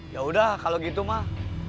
ya udah kalau gitu mah